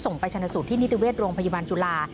ไปชนะสูตรที่นิติเวชโรงพยาบาลจุฬา